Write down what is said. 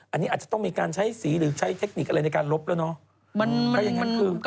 อันนี้อาจจะต้องมีการใช้สีหรือใช้เทคนิคอะไรในการลบแล้วเนาะ